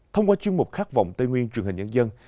thông qua chương mục khát vọng tây nguyên